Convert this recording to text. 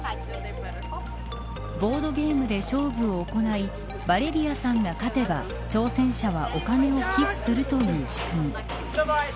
ボードゲームで勝負を行いバレリアさんが勝てば挑戦者はお金を寄付するという仕組み。